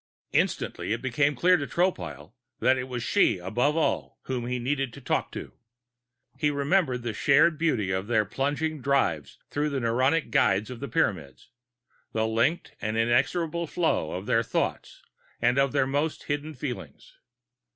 Instantly it became clear to Tropile that it was she above all whom he needed to talk to. He remembered the shared beauty of their plunging drive through the neurone guides of the Pyramids, the linked and inextricable flow of their thoughts and of their most hidden feelings.